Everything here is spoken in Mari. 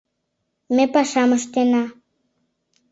Ме пашам ыштена